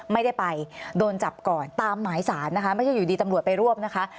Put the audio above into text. ไม่ได้ไปโดนจับก่อนตามหมายสารนะคะไม่ใช่อยู่ดีตำรวจไปรวบนะคะ